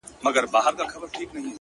بيا د تورو سترګو و بلا ته مخامخ يمه;